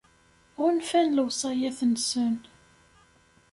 Ɣunfan lewṣayat-nsen.